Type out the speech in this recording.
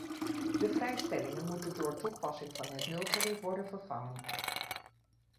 De vrijstellingen moeten door toepassing van het nultarief worden vervangen.